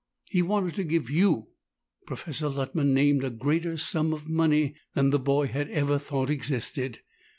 He wanted to give you " Professor Luttman named a greater sum of money than the boy had ever thought existed.